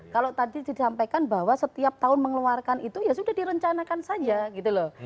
kalau tadi disampaikan bahwa setiap tahun mengeluarkan itu ya sudah direncanakan saja gitu loh